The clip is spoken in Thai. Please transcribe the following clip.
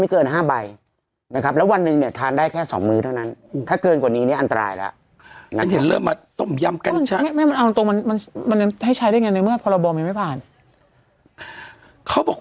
ให้ใช้ได้ยังไงพอระบอมสักเดียวไม่ผ่านเขาบอก